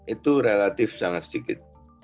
itu relatif sangat sedikit